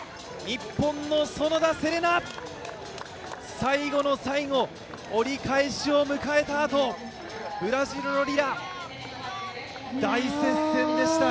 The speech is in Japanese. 日本の園田世玲奈、最後の最後、折り返しを迎えたあと、ブラジルのリラ、大接戦でした。